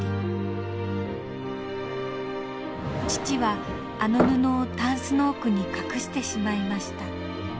父はあの布をタンスの奥に隠してしまいました。